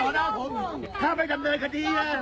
เอาคนอย่างนี้มาทักได้ยังไงประวัติเยอะแยะ